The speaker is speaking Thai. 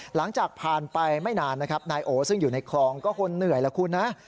หลังจากผ่านไปไม่นานนะครับนายโอซึ่งอยู่ในคลองก็คงเหนื่อยละคุณนะ